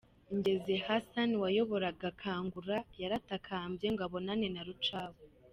Ngeze Hassan wayoboraga Kangura yaratakambye ngo abonane na Rucagu.